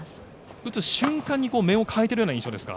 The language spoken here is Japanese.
打つ瞬間に面を変えている印象ですか。